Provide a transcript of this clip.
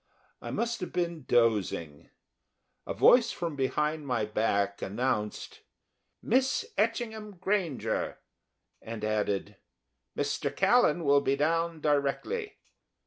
I must have been dozing. A voice from behind my back announced: "Miss Etchingham Granger!" and added "Mr. Callan will be down directly."